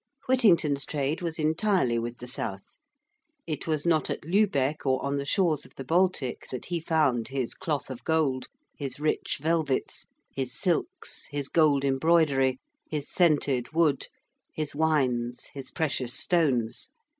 Whittington's trade was entirely with the South. It was not at Lübeck or on the shores of the Baltic that he found his cloth of gold, his rich velvets, his silks, his gold embroidery, his scented wood, his wines, his precious stones.